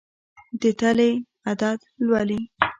د تلې عدد لولي.